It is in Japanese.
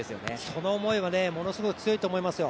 その思いはものすごく強いと思いますよ。